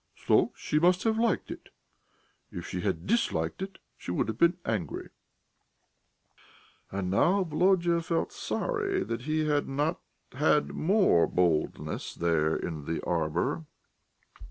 "So she must have liked it. If she had disliked it she would have been angry...." And now Volodya felt sorry that he had not had more boldness there in the arbour.